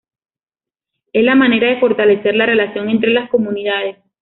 Es la manera de fortalecer la relación entre las comunidades.